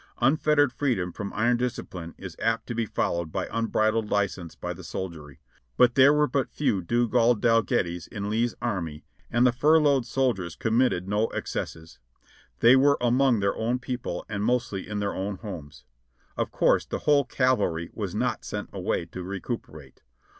Unfet tered freedom from iron discipline is apt to be followed by unbridled license by the soldiery, but there were but few Dugald Dalgettys in Lee's army and the furloughed soldiers committed no excesses ; they were among their own people and mostly in their own homes. Of course the whole cavalry was not sent away to recuperate.